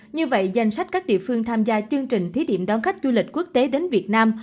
như vậy danh sách các địa phương tham gia chương trình thí điểm đón khách du lịch quốc tế đến việt nam